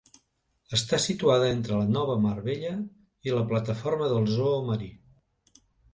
Està situada entre la Nova Mar Bella i la plataforma del Zoo marí.